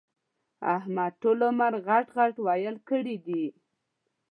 احمد ټول عمر غټ ِغټ ويل کړي دي.